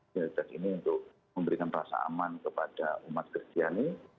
prioritas ini untuk memberikan rasa aman kepada umat kristiani